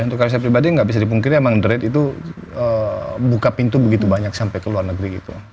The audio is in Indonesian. untuk kalau saya pribadi nggak bisa dipungkiri emang the rate itu buka pintu begitu banyak sampai ke luar negeri gitu